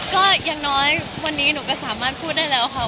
ก็อย่างน้อยวันนี้หนูก็สามารถพูดได้แล้วค่ะ